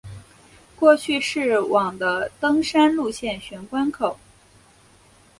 过去是往的登山路线玄关口。